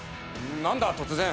何だ突然。